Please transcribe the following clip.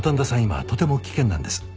今とても危険なんです。